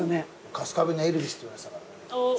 春日部のエルヴィスっていわれてたからね。